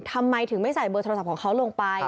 ทำไมถึงไม่ใส่เบอร์โทรศัพท์ของเขาลงไป